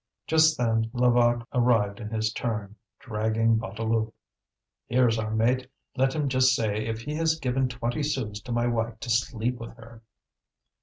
Just then Levaque arrived in his turn, dragging Bouteloup. "Here's our mate; let him just say if he has given twenty sous to my wife to sleep with her."